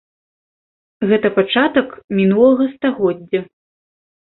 Гэта пачатак мінулага стагоддзя.